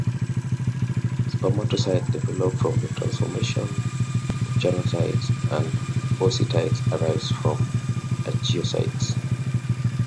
Spermatocytes develop from the transformation of choanocytes and oocytes arise from archeocytes.